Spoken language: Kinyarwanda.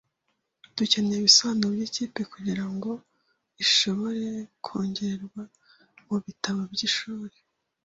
Dukeneye ibisobanuro byikipe kugirango ishobore kongerwa mubitabo by'ishuri.